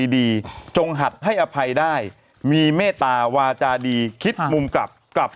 จงหัดให้อภัยได้มีเมตตาวาจาดีคิดมุมกลับกลับ